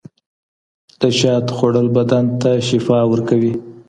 د شاتو خوړل بدن ته شفا ورکوي.